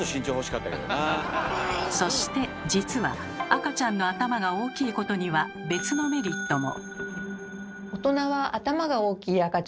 そして実は赤ちゃんの頭が大きいことには別のメリットも。